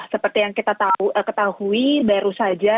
seperti yang kita ketahui baru saja